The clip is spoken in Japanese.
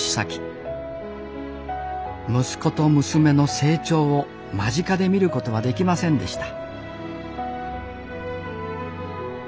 息子と娘の成長を間近で見ることはできませんでした。